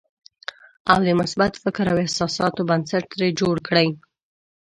او د مثبت فکر او احساساتو بنسټ ترې جوړ کړئ.